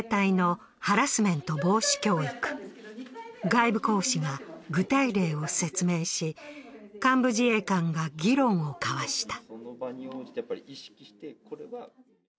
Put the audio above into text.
外部講師が具体例を説明し幹部自衛官が議論を交わした。